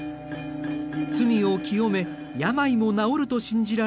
罪を清め病も治ると信じられる沐浴。